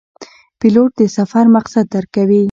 پیلوټ د سفر مقصد درک کوي.